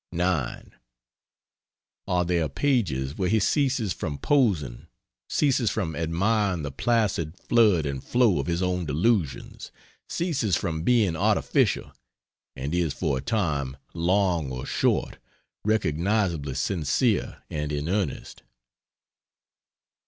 9. Are there pages where he ceases from posing, ceases from admiring the placid flood and flow of his own dilutions, ceases from being artificial, and is for a time, long or short, recognizably sincere and in earnest?